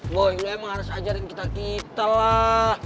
boy lu emang harus ajarin kita kita lah